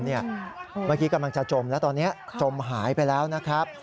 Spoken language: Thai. เมื่อกี้กำลังจะจมแล้วตอนนี้จมหายไปแล้วนะครับ